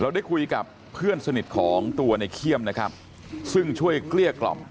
ได้คุยกับเพื่อนสนิทของตัวในเขี้ยมนะครับซึ่งช่วยเกลี้ยกล่อม